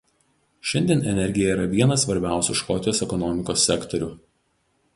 Šiandien energija yra vienas svarbiausių Škotijos ekonomikos sektorių.